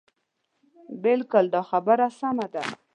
بلکل دا خبره سمه ده.